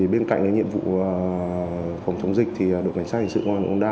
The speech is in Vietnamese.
bên cạnh nhiệm vụ phòng chống dịch đội cảnh sát hình sự công an quận đống đa